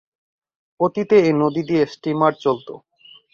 অতীতে এ নদী দিয়ে স্টিমার চলতো।